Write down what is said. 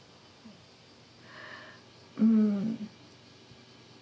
うん。